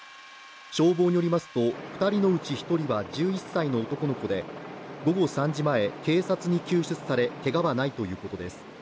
消防によりますと、２人のうち１人は１１歳の男の子で午後３時前、警察に救出され、けがはないということです。